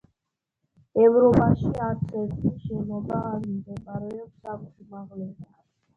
ევროპაში არც ერთი შენობა არ მდებარეობს ამ სიმაღლეზე.